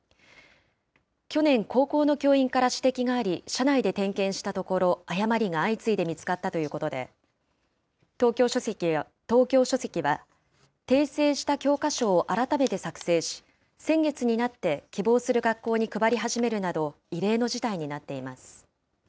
去年、高校の教員から指摘があり、社内で点検したところ、誤りが相次いで見つかったということで、東京書籍は訂正した教科書を改めて作成し、先月になって希望する学校に配り始めるなど、異例の事態になっています。